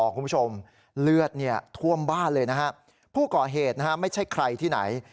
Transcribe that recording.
คุณผู้ชมเลือดเนี่ยท่วมบ้านเลยนะฮะผู้ก่อเหตุนะฮะไม่ใช่ใครที่ไหน